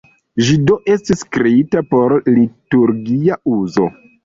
Ĝi do estis kreita por liturgia uzo.